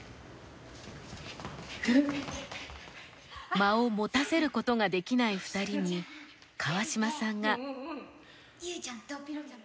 間を持たせることができない２人に川島さんが。